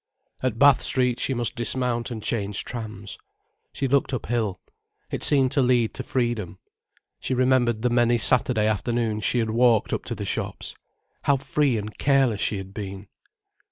At Bath Street she must dismount and change trams. She looked uphill. It seemed to lead to freedom. She remembered the many Saturday afternoons she had walked up to the shops. How free and careless she had been!